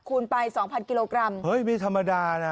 ไปสองพันกิโลกรัมเฮ้ยไม่ธรรมดานะ